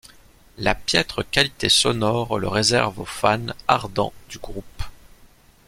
La piètre qualité sonore le réserve aux fans ardents du groupe.